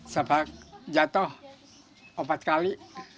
sejak jatuh empat kali